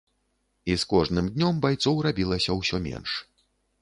І з кожным днём байцоў рабілася ўсё менш.